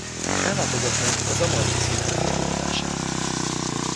Ellátogatnak az Amalfi színházi előadására.